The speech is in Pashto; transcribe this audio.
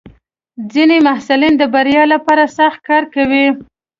ځینې محصلین د بریا لپاره سخت کار کوي.